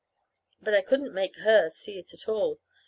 But I couldn't make her see it at all.